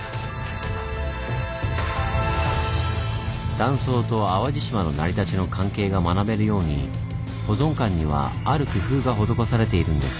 断層と淡路島の成り立ちの関係が学べるように保存館にはある工夫が施されているんです。